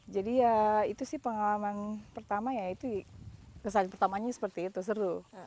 jadi ya itu sih pengalaman pertama kesan pertamanya seperti itu seru